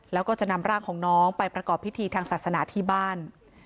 แล้วก็จะนำร่างของน้องไปประกอบพิธีทางศาสนาที่บ้าน